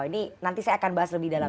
ini nanti saya akan bahas lebih dalam